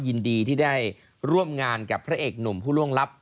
ยินดีที่ได้ร่วมงานกับพระเอกหนุ่มผู้ล่วงลับ